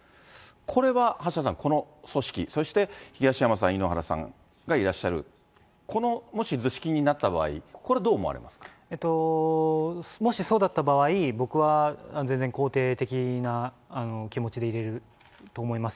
これは橋田さん、この組織、そして東山さん、井ノ原さんがいらっしゃる、このもし図式になった場合、これ、もしそうだった場合、僕は全然肯定的な気持ちでいれると思います。